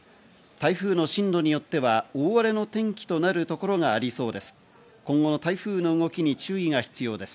台風の進路によっては大荒れの天気となるところがありそうです。